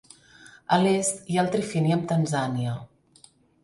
A l'est hi ha el trifini amb Tanzània.